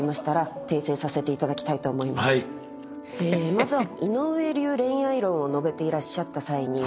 まずは。